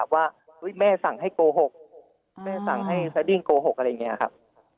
ว่าแม่สั่งให้โกหกแม่สั่งให้สดิ้งโกหกอะไรอย่างนี้ครับ